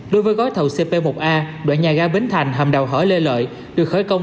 đối với gói thầu cp một a đoạn nhà ga bến thành hầm đào hở lê lợi được khởi công